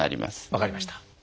分かりました。